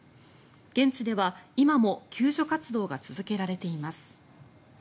現地では今も救助活動が続けられています。